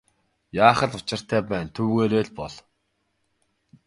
Яах л учиртай байна түүгээрээ бол.